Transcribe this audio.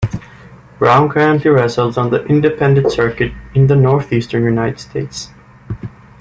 Brown currently wrestles on the Independent circuit in the Northeastern United States.